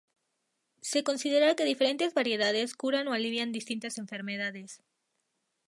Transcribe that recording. Se considera que diferentes variedades curan o alivian distintas enfermedades.